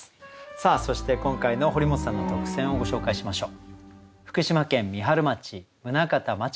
さあそして今回の堀本さんの特選をご紹介しましょう。